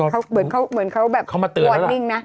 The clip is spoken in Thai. เขาเบิร์นคือเป็นเว้นตรงหนิงนะ